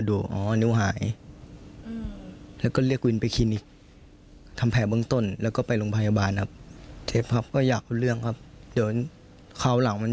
ส่วนตัวเรารู้สึกแย่กับคนที่ไล่ให้เราลงเร็วเร็วไหม